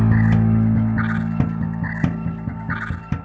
udah udah sampe aku mau yang itu